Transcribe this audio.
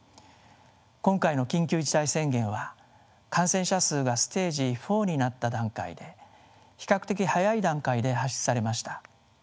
今回の緊急事態宣言は感染者数がステージ４になった段階で比較的早い段階で発出されました。